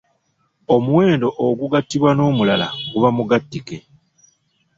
Omuwendo ogugattibwa n'omulala guba mugattike.